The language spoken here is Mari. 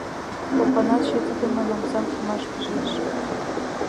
— Опанас чытыдымын омсам чумаш пижеш.